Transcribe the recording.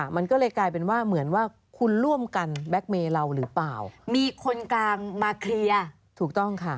มันก็เลยกลายเป็นว่าเหมือนว่าคุณร่วมกันแบล็กเมย์เราหรือเปล่ามีคนกลางมาเคลียร์ถูกต้องค่ะ